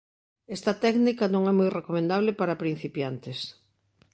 Esta técnica non é moi recomendable para principiantes.